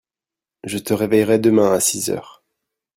je te réveillerai demain à six heures.